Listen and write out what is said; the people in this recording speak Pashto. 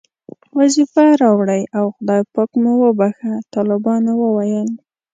وظیفه راوړئ او خدای پاک مو وبښه، طالبانو وویل.